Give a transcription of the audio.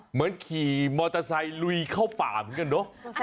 เหมือนขี่มอเตอร์ไซค์ลุยเข้าป่าเหมือนกันเนอะ